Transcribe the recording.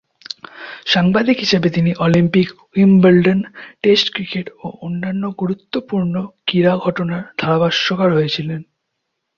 সাংবাদিক হিসেবে তিনি অলিম্পিক, উইম্বলডন, টেস্ট ক্রিকেট ও অন্যান্য গুরুত্বপূর্ণ ক্রীড়া ঘটনার ধারাভাষ্যকার হয়েছিলেন।